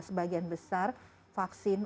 sebagian besar vaksin